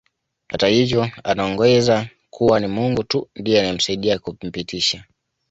Hata hivyo anaongeza kuwa ni Mungu tu ndiye anayemsaidia kumpitisha